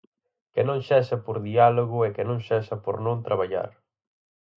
Que non sexa por diálogo e que non sexa por non traballar.